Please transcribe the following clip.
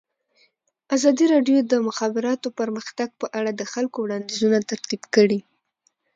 ازادي راډیو د د مخابراتو پرمختګ په اړه د خلکو وړاندیزونه ترتیب کړي.